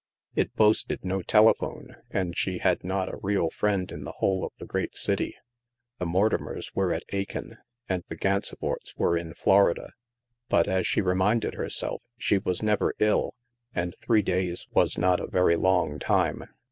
It boasted no telephone, and she had not a real friend in the whole of the great city. The Mortimers were at Aiken, and the Gansevoorts were in Florida. But, as she reminded herself, she was never ill, and three days was not a very long time.